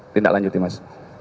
tindak lanjutin mas